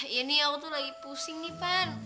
iya nih aku tuh lagi pusing nih pan